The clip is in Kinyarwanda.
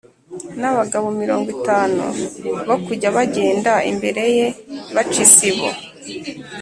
n’abagabo mirongo itanu bo kujya bagenda imbere ye, baca isibo.